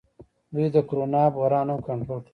دوی د کرونا بحران هم کنټرول کړ.